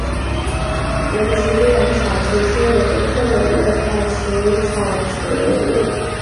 维奇猪笼草是婆罗洲特有的热带食虫植物。